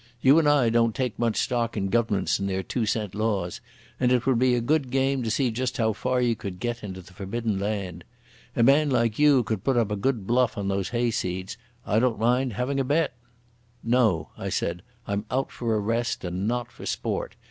You and I don't take much stock in Governments and their two cent laws, and it would be a good game to see just how far you could get into the forbidden land. A man like you could put up a good bluff on those hayseeds. I don't mind having a bet...." "No," I said. "I'm out for a rest, and not for sport.